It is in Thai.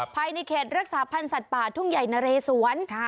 ภายในเขตรักษาพันธ์สัตว์ป่าทุ่งใหญ่นะเรสวน